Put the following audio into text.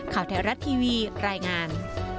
ข่าวแท้รัฐทีวีรายงาน